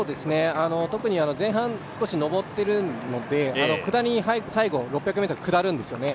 特に前半、少し上っているので、最後６００ｍ下るんですね。